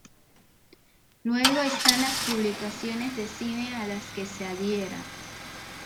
Luego, están las publicaciones de cine a las que se adhiera.